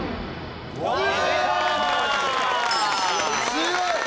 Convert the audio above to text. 強い！